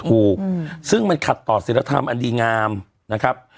ถูกซึ่งมันขัดต่อศิลธรรมอันดีงามนะครับ